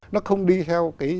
nó không đi theo cái